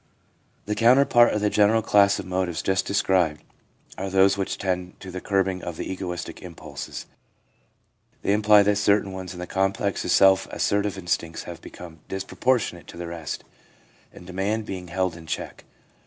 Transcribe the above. The counterpart of the general class of motives just described are those which tend to the curbing of the egoistic impulses. They imply that certain ones in the complex of self assertive instincts have become disproportionate to the rest, and demand being held in check.